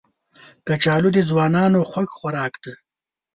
کچالو د ځوانانو خوښ خوراک دی